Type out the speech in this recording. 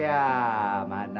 ya mana duitnya